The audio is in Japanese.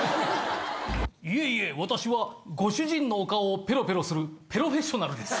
いえいえ私はご主人のお顔をペロペロするペロフェッショナルです。